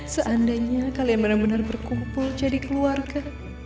seandainya kalian benar benar berkumpul jadi keluarga